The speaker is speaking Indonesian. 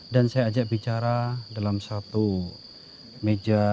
dan saya ajak bicara dalam satu meja